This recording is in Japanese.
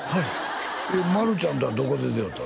丸ちゃんとはどこで出会うたの？